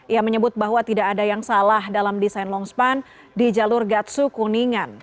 ia menyebut bahwa tidak ada yang salah dalam desain longspan di jalur gatsu kuningan